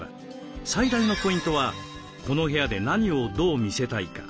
最大のポイントはこの部屋で何をどう見せたいか。